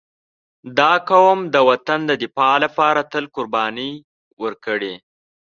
• دا قوم د وطن د دفاع لپاره تل قرباني ورکړې.